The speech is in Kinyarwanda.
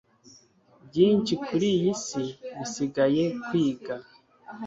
byinshi kuriyi si bisigaye kwiga